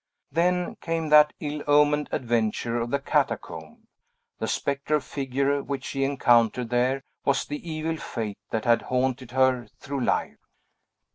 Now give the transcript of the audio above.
Then came that ill omened adventure of the catacomb, The spectral figure which she encountered there was the evil fate that had haunted her through life.